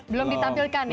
belum ditampilkan ya